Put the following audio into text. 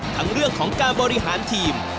ทั้งเรื่องของการบริหารทีม